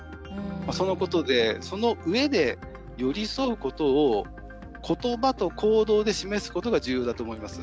そのことで、そのうえで寄り添うことをことばと行動で示すことが重要だと思います。